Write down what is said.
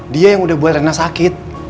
dia yang udah buat rena sakit